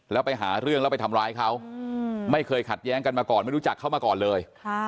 แล้วไปหาเรื่องแล้วไปทำร้ายเขาไม่เคยขัดแย้งกันมาก่อนไม่รู้จักเขามาก่อนเลย